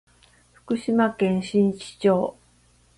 福島県新地町